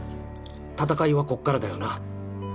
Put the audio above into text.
闘いはここからだよな。